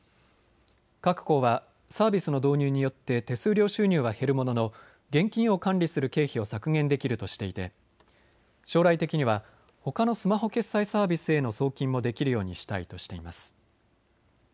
各行はサービスの導入によって手数料収入は減るものの現金を管理する経費を削減できるとしていて将来的にはほかのスマホ決済サービスへの送金もできるようにしたいとしています。